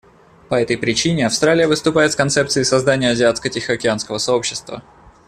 По этой причине Австралия выступает с концепцией создания Азиатско-Тихоокеанского сообщества.